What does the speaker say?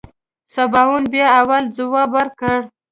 سباوون بيا اول ځواب ورکړ.